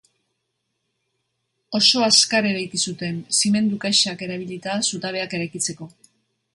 Oso azkar eraiki zuten, zimendu-kaxak erabilita zutabeak eraikitzeko.